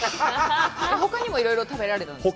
ほかにもいろいろ食べられたんですか？